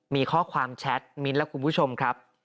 มีข้อความแชทมิ้นท์และคุณผู้ชมครับ